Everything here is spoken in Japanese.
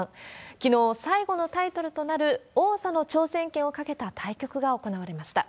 きのう、最後のタイトルとなる王座の挑戦権を懸けた対局が行われました。